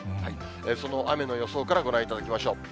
その雨の予想からご覧いただきましょう。